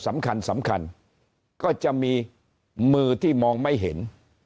สำคัญสำคัญก็จะมีมือที่มองไม่เห็น